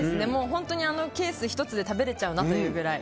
本当に、ケース１つで食べれちゃうなというくらい。